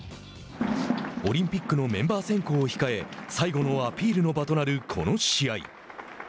オリンピックのメンバー選考を控え最後のアピールの場となるこの試合。